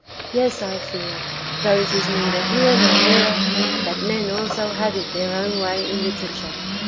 Yes I fear, though it is neither here nor there, that men also have it their own way in literature.